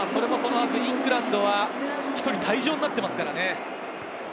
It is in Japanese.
イングランドは１人退場になっていますからね。